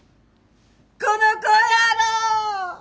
この子やろ！